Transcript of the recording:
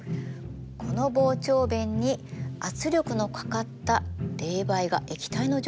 この膨張弁に圧力のかかった冷媒が液体の状態で流れてきました。